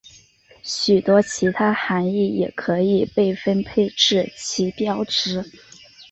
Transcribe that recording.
许多其他含意也可以被分配至旗标值。